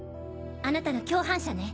あなたの共犯者ね。